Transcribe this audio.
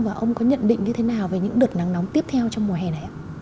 và ông có nhận định như thế nào về những đợt nắng nóng tiếp theo trong mùa hè này ạ